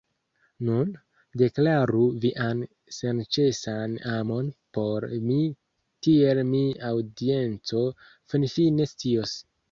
Nun, deklaru vian senĉesan amon por mi tiel mi aŭdienco finfine scios